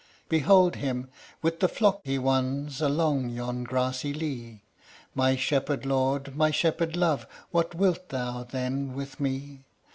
Behold him! With the flock he wons Along yon grassy lea. "My shepherd lord, my shepherd love, What wilt thou, then, with me?